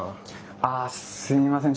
あっすいません